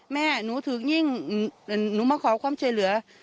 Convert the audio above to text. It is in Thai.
แม่หนูถือกนิ่งแล้วหมาขอความเชิญเหลือ